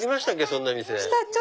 そんな店。